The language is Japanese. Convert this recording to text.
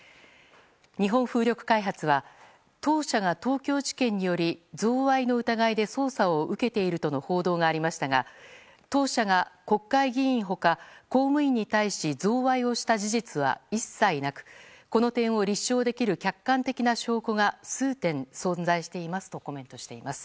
日本風力開発は当社が東京地検により贈賄の疑いで捜査を受けているとの報道がありましたが当社が、国会議員他公務員に対し贈賄をした事実は一切なくこの点を立証できる客観的な証拠が数点存在していますとコメントしています。